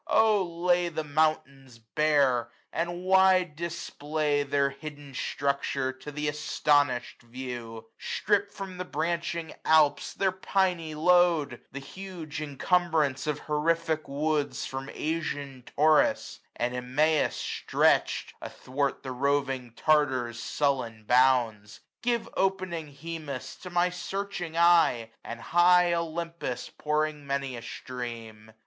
O lay the mountains bare ; and wide display Their hidden structure to th' astonish'd view; Strip from the branching Alps their piny load ; The huge incumbrance of horrific woods 780 From Asian Taurus, from Imaus stretch'd Athwart the roving Tartar's sullen bounds ; Give opening Hemus to my searching eye, And high Olympus pouring many a stream.